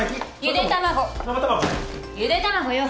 ゆで卵よ。